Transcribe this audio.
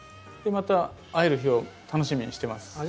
また会える日を楽しみにしてます。